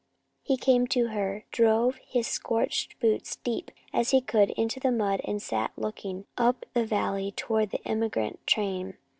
He came to her, drove his scorched boots deep as he could into the mud and sat looking up the valley toward the emigrant train.